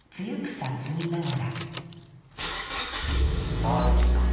さあ吉木さん